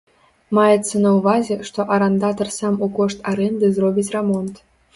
Маецца на ўвазе, што арандатар сам у кошт арэнды зробіць рамонт.